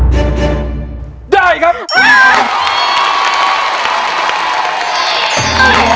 ร้องได้ร้องได้ร้องได้ร้องได้